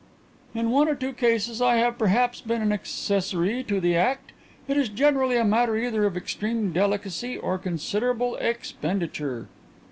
"In one or two cases I have perhaps been an accessory to the act. It is generally a matter either of extreme delicacy or considerable expenditure."